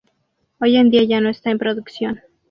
Hoy en día ya no está en producción.